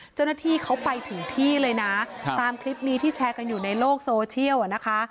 เจ้าหน้าที่เขาไปถึงที่เลยนะตามคลิปนี้ที่แชร์กันอยู่ในโลกโซเชียลอ่ะนะคะ